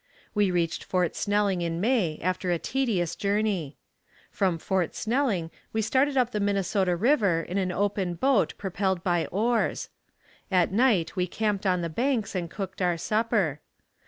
We reached Fort Snelling in May after a tedious journey. From Fort Snelling we started up the Minnesota River in an open boat propelled by oars. At night we camped on the banks and cooked our supper.